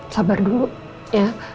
sabar dulu ya